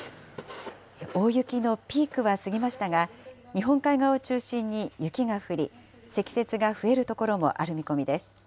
大雪のピークは過ぎましたが、日本海側を中心に雪が降り、積雪が増える所もある見込みです。